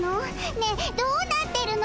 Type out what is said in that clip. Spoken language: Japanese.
ねえどうなってるの？